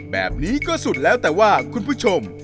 แบบนี้ก็สุดแล้วแต่ว่าคุณผู้ชม